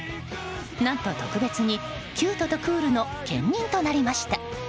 何と特別にキュートとクールの兼任となりました。